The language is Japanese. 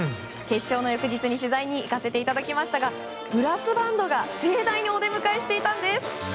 決勝の翌日に取材に行かせていただきましたがブラスバンドが盛大にお出迎えしていたんです。